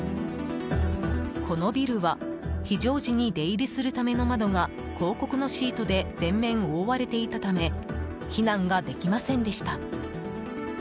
このビルは非常時に出入りするための窓が広告のシートで全面覆われていたため避難ができませんでした。